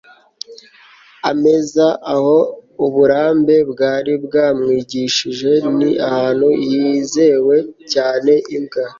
ameza, aho uburambe bwari bwamwigishije ni ahantu hizewe cyane. imbwa